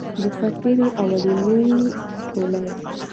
د سرتیرو اولنی ټولۍ.